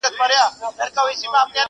نه بڼو یمه ویشتلی، نه د زلفو زولانه یم،